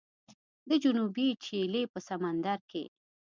د جنوبي چیلي په سمندر کې